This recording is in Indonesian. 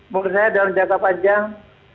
menurut saya dalam jangka panjang